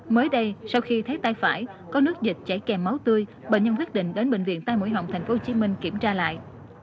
mới đây sau khi thấy tai phải có nước dịch chảy kèm máu tươi bệnh nhân quyết định đến bệnh viện tây mũi họng tp hcm kiểm tra lại